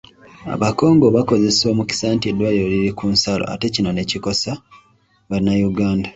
Abakongo bakozesa omukisa nti eddwaliro liri ku nsalo, ate kino ne kikosa Bannayuganda